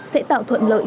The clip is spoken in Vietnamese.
sẽ tạo thuận lợi